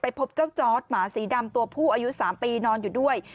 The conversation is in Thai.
พบเจ้าจอร์ดหมาสีดำตัวผู้อายุ๓ปีนอนอยู่ด้วย